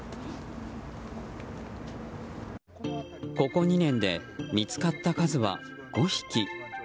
ここ２年で見つかった数は５匹。